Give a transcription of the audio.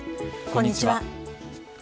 こんにちは。